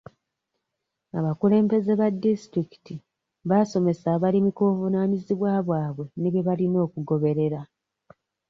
Abakulembeze ba disitulikiti baasomesa abalimi ku buvanaanyizibwa bwabwe ne bye balina okugoberera.